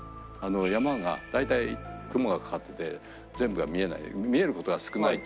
山が大体雲がかかってて全部が見えない見える事が少ないと。